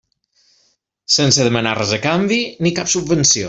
Sense demanar res a canvi, ni cap subvenció.